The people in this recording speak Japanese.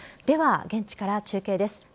では、現地から中継です。